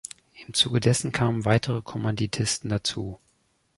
Im Zuge dessen kamen weitere Kommanditisten dazu.